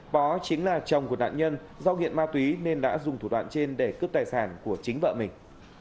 đó chính là chồng của nạn nhân do nghiện ma túy nên đã dùng thủ đoạn trên để cướp tài sản của chính vợ mình